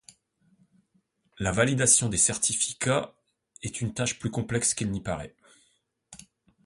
La validation des certificats est une tâche plus complexe qu'il n'y paraît.